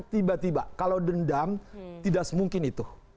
tiba tiba kalau dendam tidak semungkin itu